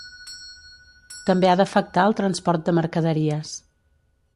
També ha d’afectar el transport de mercaderies.